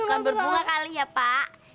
bukan berbunga kali ya pak